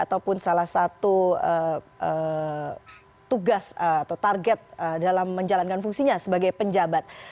ataupun salah satu tugas atau target dalam menjalankan fungsinya sebagai penjabat